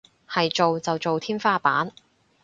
係做就做天花板